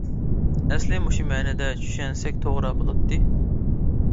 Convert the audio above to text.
ئەسلى مۇشۇ مەنىدە چۈشەنسەك توغرا بولاتتى.